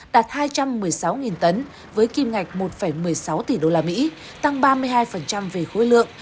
đạt hai trăm một mươi sáu tấn với kim ngạch một một mươi sáu tỷ usd tăng ba mươi hai về khối lượng